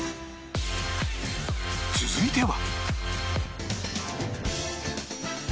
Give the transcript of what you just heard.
続いては